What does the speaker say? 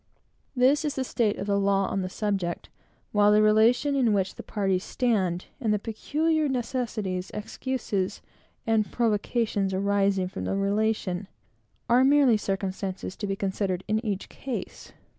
This is the state of the law on the subject; while the relation in which the parties stand, and the peculiar necessities, excuses, and provocations arising from that relation, are merely circumstances to be considered in each case.